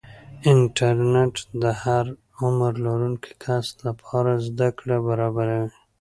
انټرنیټ د هر عمر لرونکي کس لپاره زده کړه برابروي.